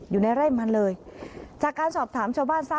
อยู่ในไร่มันเลยจากการสอบถามชาวบ้านทราบ